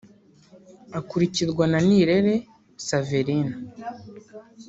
akurikirwa na Nirere Xaverine